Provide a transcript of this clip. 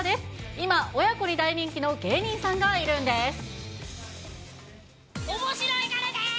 今、親子に大人気の芸人さんがいおもしろいからです。